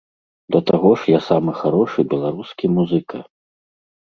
Да таго ж я самы харошы беларускі музыка!